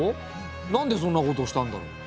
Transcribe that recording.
なんでそんなことしたんだろう？